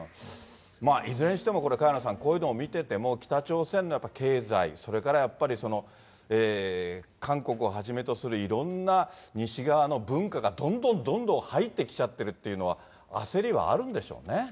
いずれにしても萱野さん、こういうの見てても、北朝鮮の経済、それからやっぱり、韓国をはじめとするいろんな西側の文化がどんどんどんどん入ってきちゃっているっていうのは、焦りはあるんでしょうね。